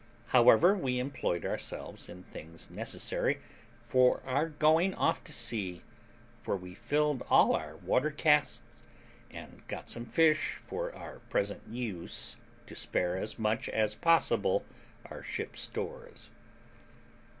However, we employed ourselves in things necessary for our going off to sea; for we filled all our water casks, and got some fish for our present use, to spare as much as possible our ship's stores.